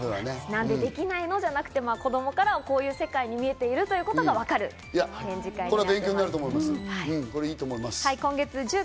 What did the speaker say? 何でできないの？じゃなくて、子供からはこういうふうに世界が見えているということがわかる展示会です。